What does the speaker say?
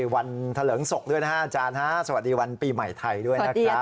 วันเถลิงศกด้วยนะฮะอาจารย์ฮะสวัสดีวันปีใหม่ไทยด้วยนะครับ